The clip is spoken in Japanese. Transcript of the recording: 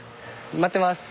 待ってます。